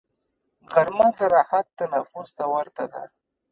غرمه د راحت تنفس ته ورته ده